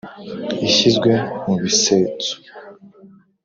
ishyizwe mu bisetso,